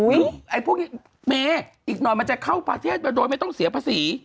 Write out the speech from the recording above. ไอ้พวกนี้เมย์อีกหน่อยมันจะเข้าประเทศมาโดยไม่ต้องเสียภาษี